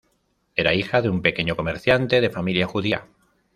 Era hija de un pequeño comerciante de familia judía.